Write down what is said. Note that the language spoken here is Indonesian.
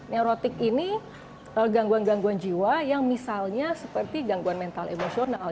neurotik ini gangguan gangguan jiwa yang misalnya seperti gangguan mental emosional